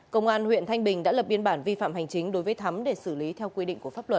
công an huyện thanh bình đã lập biên bản vi phạm hành chính đối với thắm để xử lý theo quy định của pháp luật